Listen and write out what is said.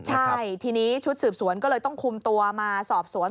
ใช่ทีนี้ชุดสืบสวนก็เลยต้องคุมตัวมาสอบสวน